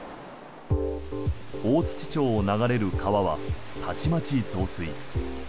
大槌町を流れる川はたちまち増水。